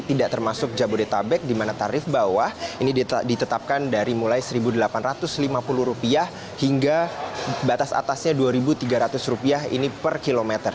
tidak termasuk jabodetabek di mana tarif bawah ini ditetapkan dari mulai rp satu delapan ratus lima puluh hingga batas atasnya rp dua tiga ratus ini per kilometer